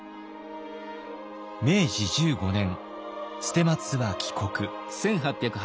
明治１５年捨松は帰国。